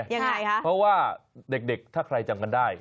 ยังไงคะเพราะว่าเด็กถ้าใครจำกันได้